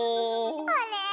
あれ？